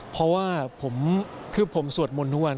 เพราะว่าผมคือผมสวดมนต์ทุกวัน